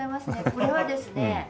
これはですね